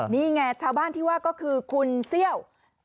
นี่ไงชาวบ้านที่ว่าก็คือคุณเซี่ยว